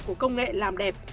của công nghệ làm đẹp